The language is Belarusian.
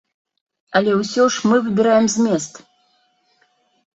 Але ўсё ж мы выбіраем змест.